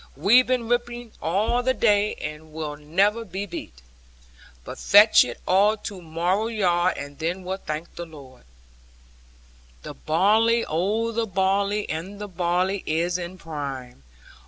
We've been reaping all the day, and we never will be beat, But fetch it all to mow yard, and then we'll thank the Lord. 3 The barley, oh the barley, and the barley is in prime!